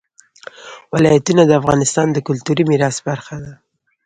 ولایتونه د افغانستان د کلتوري میراث برخه ده.